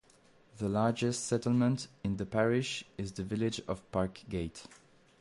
The largest settlement in the parish is the village of Parkgate.